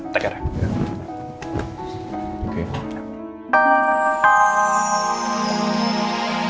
terima kasih ya om